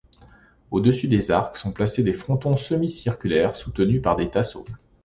Au-dessus des arcs sont placés des frontons semi-circulaires soutenu par des tasseaux.